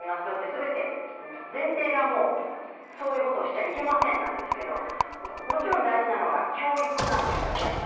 よってすべて前提がもう、そういうことをしちゃいけませんなんですけどもちろん大事なのが教育なんですよね。